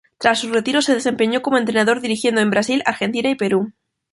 Tras su retiro se desempeñó como entrenador dirigiendo en Brasil, Argentina y Perú.